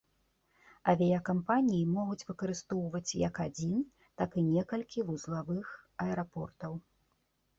Авіякампаніі могуць выкарыстоўваць як адзін, так і некалькі вузлавых аэрапортаў.